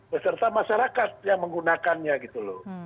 beserta masyarakat yang menggunakannya gitu loh